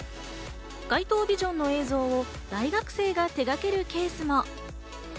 街頭ビジョンの映像を大学生が手がけるケースも。